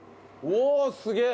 おおすげえ！